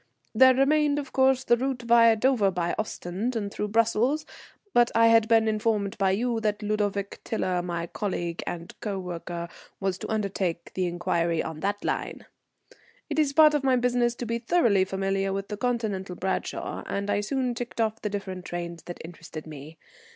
There remained, of course, the route via Dover by Ostend and through Brussels; but I had been informed by you that Ludovic Tiler, my colleague and coworker, was to undertake the inquiry on that line. It is part of my business to be thoroughly familiar with the Continental Bradshaw, and I soon ticked off the different trains that interested me.